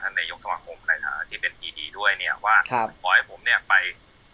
ท่านนายยกสมัครคมที่เป็นทีดีด้วยเนี่ยว่าครับบอกให้ผมเนี่ยไป